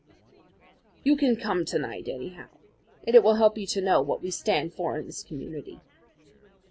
"You can come to night, anyhow, and it will help you to know what we stand for in this community.